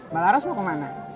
mbak laras mau kemana